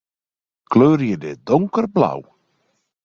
Kleurje dit donkerblau.